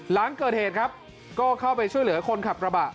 หลังเกิดเหตุครับก็เข้าไปช่วยเหลือคนขับกระบะ